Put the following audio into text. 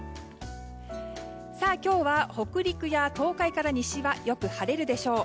今日は北陸や東海から西はよく晴れるでしょう。